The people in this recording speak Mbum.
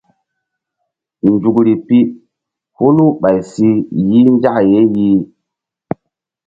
Nzukri pi hulu ɓay si yih nzak ye yih.